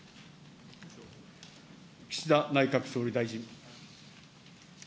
岸田内閣総理大臣。